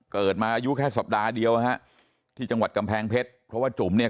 เกิดมาอายุแค่สัปดาห์เดียวฮะที่จังหวัดกำแพงเพชรเพราะว่าจุ๋มเนี่ย